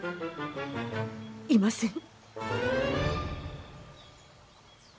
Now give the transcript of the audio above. いません。